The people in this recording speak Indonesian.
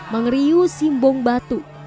mengeriw simbong batu